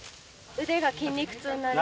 腕が筋肉痛になります。